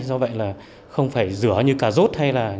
do vậy là không phải rửa như cà rốt